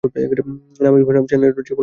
নাম ইরফান আহমেদ চেন্নাইয়ের ট্রিপলিকেনে থাকে।